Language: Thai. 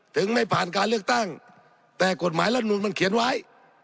ไม่ผ่านการเลือกตั้งแต่กฎหมายรัฐมนุนมันเขียนไว้